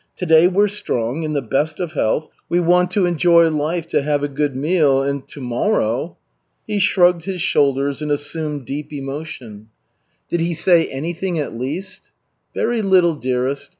To day we're strong, in the best of health, we want to enjoy life to have a good meal, and tomorrow.... He shrugged his shoulders and assumed deep emotion. "Did he say anything at least?" "Very little, dearest.